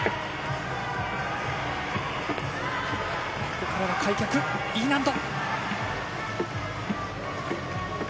ここからは開脚、Ｅ難度。